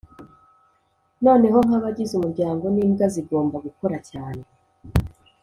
noneho nk'abagize umuryango, n'imbwa zigomba gukora cyane,